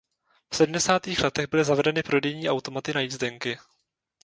V sedmdesátých letech byly zavedeny prodejní automaty na jízdenky.